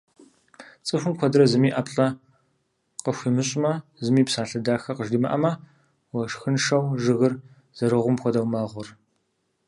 Цӏыхум, куэдрэ зыми ӏэплӏэ къыхуимыщӏмэ, зыми псалъэ дахэ къыжримыӏэмэ, уэшхыншэу жыгыр зэрыгьум хуэдэу мэгъур.